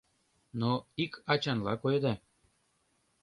— Но ик ачанла койыда.